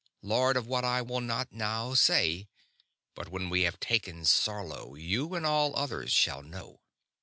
Lord of what I will not now say; but when we have taken Sarlo you and all others shall know."